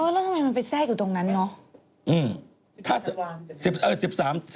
แล้วทำไมมันไปแทรกอยู่ตรงนั้นเนอะ